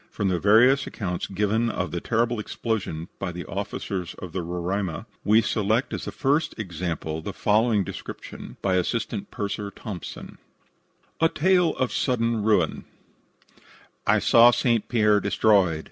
From the various accounts given of the terrible explosion by officers of the Roraima, we select as a first example the following description by Assistant Purser Thompson: A TALE OF SUDDEN RUIN "I saw St. Pierre destroyed.